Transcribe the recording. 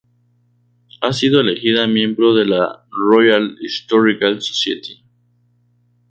Ha sido elegida miembro de la Royal Historical Society.